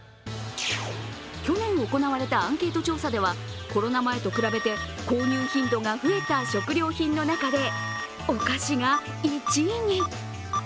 去年行われたアンケート調査では、コロナ前と比べて購入頻度が増えた食料品の中でお菓子が１位に！